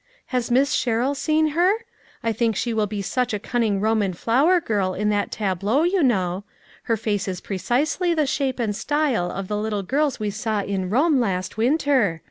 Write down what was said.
Has Miss Sherrill seen her ? I think she will make such a cunning Roman flower girl, in that tableau, you know. Her face is precisely the shape and style of the little girls we saw in Rome last win ter.